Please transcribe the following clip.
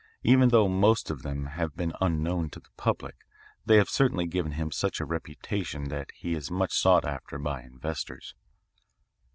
Even though most of them have been unknown to the public they have certainly given him such a reputation that he is much sought after by inventors.